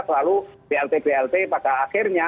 selalu blt blt pada akhirnya